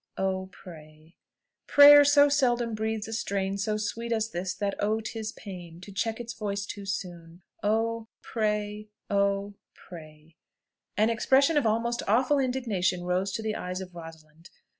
oh, pray! Prayer so seldom breathes a strain So sweet as this, that, oh! 'tis pain To check its voice too soon. Oh, pray! oh, pray! An expression of almost awful indignation rose to the eyes of Rosalind.